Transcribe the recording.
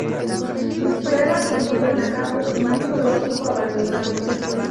Sus pruebas se llevan a cabo en un zoológico abandonado.